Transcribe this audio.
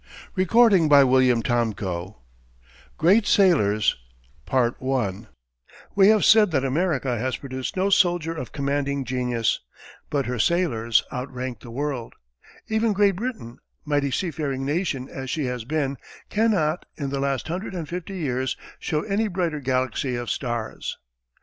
CHAPTER VIII GREAT SAILORS We have said that America has produced no soldier of commanding genius, but her sailors outrank the world. Even Great Britain, mighty seafaring nation as she has been, cannot, in the last hundred and fifty years, show any brighter galaxy of stars.